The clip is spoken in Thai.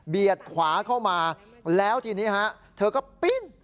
เบียดขวาเข้ามาแล้วทีนี้เธอก็ปิ๊น